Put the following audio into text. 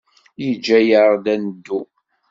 Yeǧǧa-aɣ ad neddu.